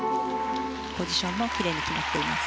ポジションもきれいに決まっています。